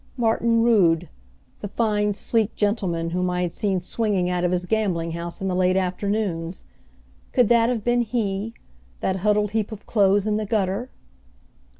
Martin Rood, the fine sleek gentleman whom I had seen swinging out of his gambling house in the late afternoons could that have been he, that huddled heap of clothes in the gutter?